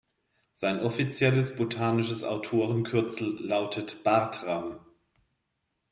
Sein offizielles botanisches Autorenkürzel lautet „Bartram“.